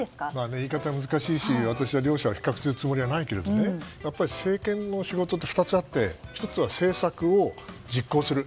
言い方は難しいし私は両者を比較するつもりはないけど政権の仕事って２つあって１つは政策を実行する。